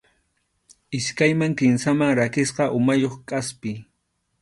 Iskayman kimsaman rakisqa umayuq kʼaspi.